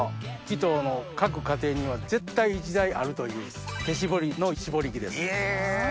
木頭の各家庭には絶対１台あるという手しぼりのしぼり機です。え！